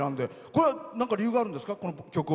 これ、何か理由があるんですか？